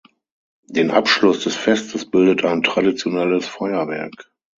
Den Abschluss des Festes bildet ein traditionelles Feuerwerk.